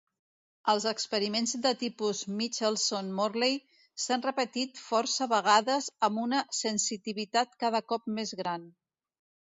Els experiments de tipus Michelson-Morley s'han repetit força vegades amb una sensitivitat cada cop més gran.